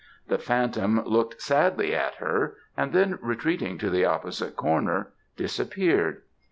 The phantom looked sadly at her, and then retreating to the opposite corner, disappeared.